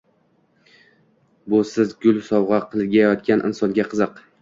Bu siz gul sovg‘a qilayotgan insonga qiziq